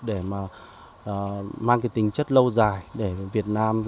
để mà mang cái tính chất lâu dài để việt nam